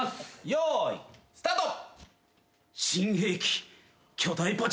よいスタート。